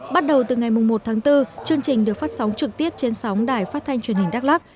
bắt đầu từ ngày một tháng bốn chương trình được phát sóng trực tiếp trên sóng đài phát thanh truyền hình đắk lắc